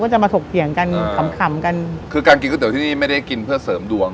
จะมาถกเถียงกันขำขำกันคือการกินก๋วที่นี่ไม่ได้กินเพื่อเสริมดวง